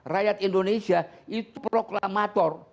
rakyat indonesia itu proklamator